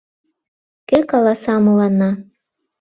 Кӧ каласа мыланна?